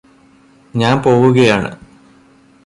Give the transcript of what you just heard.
ഞാന് പോവുകയാണ്